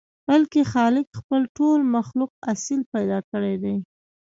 بلکې خالق خپل ټول مخلوق اصيل پيدا کړي دي.